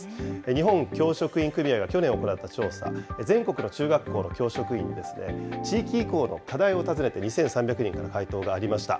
日本教職員組合が去年行った調査、全国の中学校の教職員に地域移行の課題を尋ねて２３００人から回答がありました。